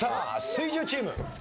水１０チーム。